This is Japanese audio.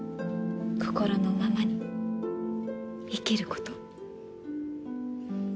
心のままに生きること。